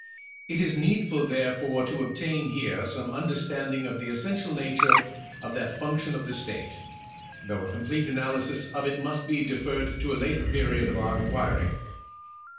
It is needful, therefore, to obtain here some under standing of the essential nature of that function of the state, though a complete analysis of it nuist be deferred to a later period of our inquiry.